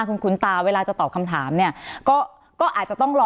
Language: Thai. คุณคุ้นตาเวลาจะตอบคำถามเนี่ยก็อาจจะต้องรอ